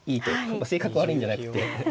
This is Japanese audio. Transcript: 性格悪いんじゃなくて。